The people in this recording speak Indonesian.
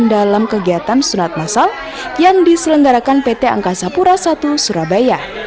dalam kegiatan sunat masal yang diselenggarakan pt angkasa pura i surabaya